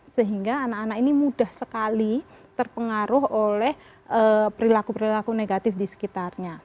sehingga anak anak ini mudah sekali terpengaruh oleh perilaku perilaku negatif di sekitarnya